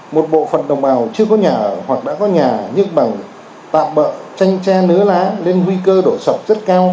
một bộ phận đồng bào chưa có nhà ở hoặc đã có nhà nhưng bằng tạm bợ chanh tre nứa lá nên nguy cơ đổ sập rất cao